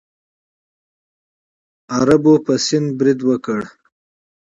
عربانو په سند برید وکړ.